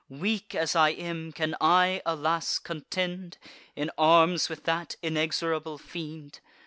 Weak as I am, can I, alas! contend In arms with that inexorable fiend?